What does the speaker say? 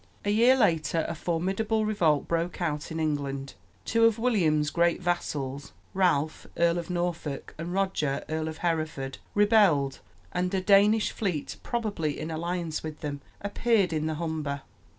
A year later a formidable revolt broke out in England. Two of William's great vassals, Ralph, Earl of Norfolk, and Roger, Earl of Hereford, rebelled, and a Danish fleet, probably in alliance with them, appeared in the Humber.